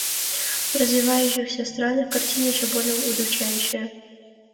В развивающихся странах картина еще более удручающая.